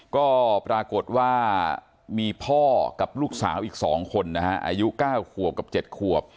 ก็ปรากฏว่ามีพ่อกับลูกสาวอีก๒คนนะฮะอายุ๙ขวบกับ๗ขวบ